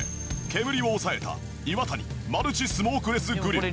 煙を抑えたイワタニマルチスモークレスグリル。